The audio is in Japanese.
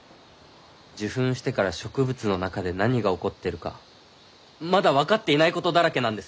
受粉してから植物の中で何が起こってるかまだ分かっていないことだらけなんです！